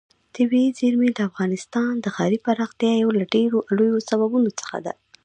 طبیعي زیرمې د افغانستان د ښاري پراختیا یو له ډېرو لویو سببونو څخه ده.